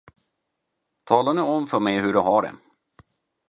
Tala nu om för mig hur du har det!